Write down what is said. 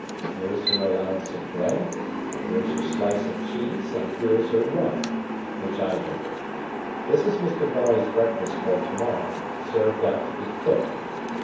Here's her allowance of bread, and here's her slice of cheese, and here's her rum,—which I drink. This is Mr. Barley's breakfast for to morrow, served out to be cooked.